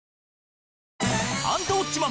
『アンタウォッチマン！』